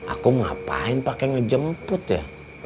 aku ngapain pakai ngejemput ya